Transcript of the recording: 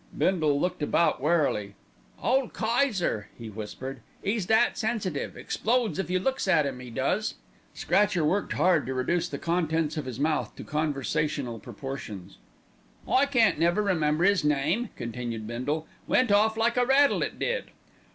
Bindle looked about warily. "Ole Kayser," he whispered. "'E's that sensitive. Explodes if you looks at 'im, 'e does." Scratcher worked hard to reduce the contents of his mouth to conversational proportions. "I can't never remember 'is name," continued Bindle. "Went off like a rattle it did."